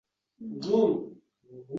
Yana nima deysan